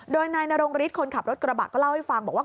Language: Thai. โดยนายนรงฤทธิ์คนขับรถกระบะก็เล่าให้ฟังบอกว่า